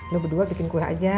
lo berdua bikin kue aja